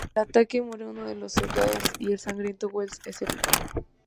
Tras el ataque muere uno de los soldados y el sargento Wells es herido.